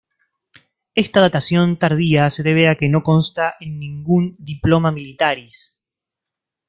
Esta datación tardía se debe a que no consta en ningún "diploma militaris".